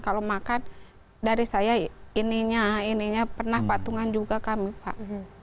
kalau makan dari saya ininya ininya pernah patungan juga kami pak